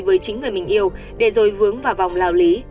với chính người mình yêu để rồi vướng vào vòng lao lý